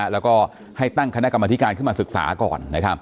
แล้วก็ให้ตั้งคณะกรรมธิการขึ้นมาศึกษาก่อน